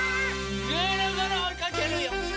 ぐるぐるおいかけるよ！